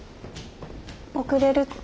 遅れるって。